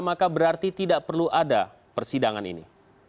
maka berarti tidak perlu ada persidangan ini